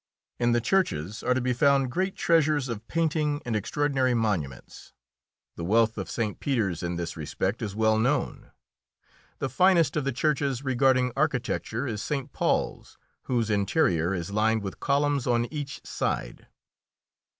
In the churches are to be found great treasures of painting and extraordinary monuments. The wealth of St. Peter's in this respect is well known. The finest of the churches regarding architecture is St. Paul's, whose interior is lined with columns on each side.